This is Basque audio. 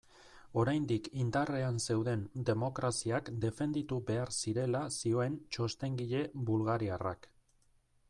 Oraindik indarrean zeuden demokraziak defenditu behar zirela zioen txostengile bulgariarrak.